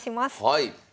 はい。